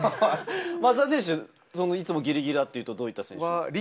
松田選手、いつもギリギリだというと、どういう選手ですか？